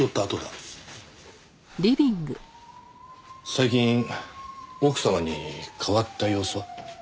最近奥様に変わった様子は？